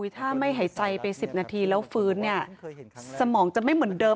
ถ้าไม่หายใจไป๑๐นาทีแล้วฟื้นเนี่ยสมองจะไม่เหมือนเดิม